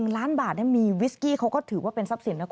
๑ล้านบาทมีวิสกี้เขาก็ถือว่าเป็นทรัพย์สินนะคุณ